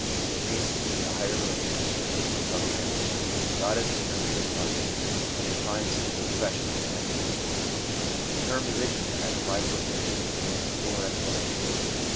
It means to me a higher relationship with my fellow man. God is the spring of this life, but it finds its expression in activity/ The term 'Religion as a Life Within' demands fuller explanation.